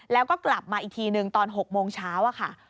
แล้วก็กลับมาอีกทีหนึ่งตอน๖โมงเช้าค่ะ